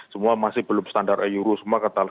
semua masih belum standar euro semua kata kata